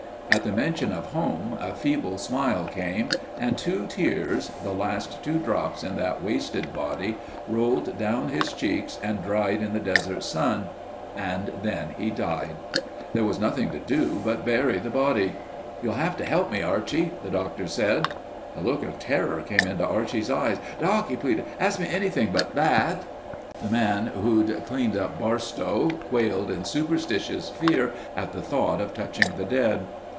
At the mention of home, a feeble smile came, and two tears, the last two drops in that wasted body, rolled down his cheeks and dried in the desert sun and then he died. There was nothing to do but bury the body. "You'll have to help me, Archie," the Doctor said. A look of terror came into Archie's eyes. "Doc," he pleaded, "ask me anything but that...." The man who'd cleaned up Barstow, quailed in superstitious fear at the thought of touching the dead.